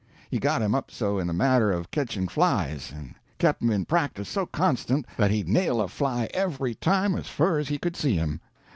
He got him up so in the matter of ketching flies, and kep' him in practice so constant, that he'd nail a fly every time as fur as he could see him.